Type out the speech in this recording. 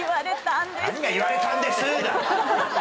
何が「言われたんです」だ！